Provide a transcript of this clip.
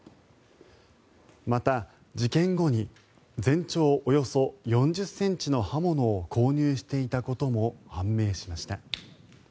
また、事件後に全長およそ４０ｃｍの刃物を購入していたことも判明しました。